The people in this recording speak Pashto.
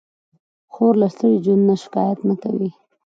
خور له ستړي ژوند نه شکایت نه کوي.